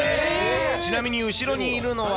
ちなみに後ろにいるのは。